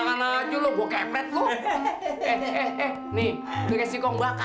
mulai bakal indah